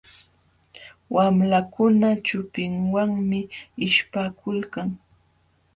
Wamlakuna chupinwanmi ishpakulkan.